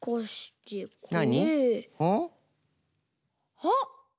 あっ！